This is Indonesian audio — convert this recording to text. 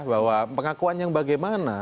bahwa pengakuan yang bagaimana